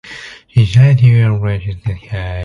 She decides to arrange his escape.